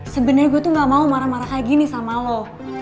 sebenernya gue tuh gak mau marah marah kayak gini sama lo